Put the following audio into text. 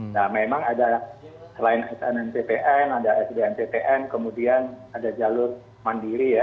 nah memang ada selain snn ctn ada sdn ctn kemudian ada jalur mandiri ya